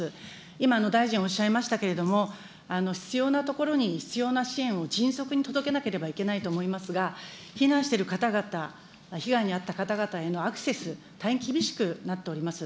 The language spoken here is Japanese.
今も大臣おっしゃいましたけれども、必要なところに必要な支援を迅速に届けなければいけないと思いますが、避難している方々、被害に遭った方々へのアクセス、大変厳しくなっております。